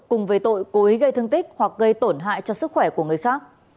cùng với tội cố ý gây thương tích hoặc gây tổn hại cho sức khỏe của người khác